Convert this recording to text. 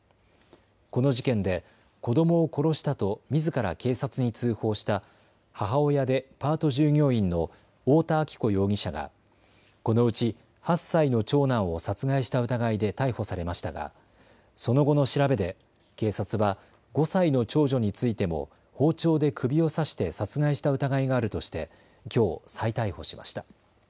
この事件で子どもを殺したとみずから警察に通報した母親でパート従業員の太田亜紀子容疑者がこのうち８歳の長男を殺害した疑いで逮捕されましたがその後の調べで警察は５歳の長女についても包丁で首を刺して殺害した疑いがあるとしてきょう再逮捕しました。